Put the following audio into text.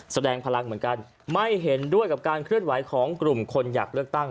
แสดงพลังเหมือนกันไม่เห็นด้วยกับการเคลื่อนไหวของกลุ่มคนอยากเลือกตั้ง